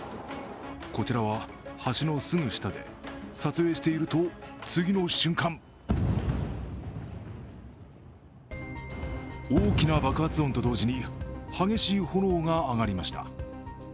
こちらは橋のすぐ下で撮影していると次の瞬間大きな爆発音と同時に激しい炎が上がりました。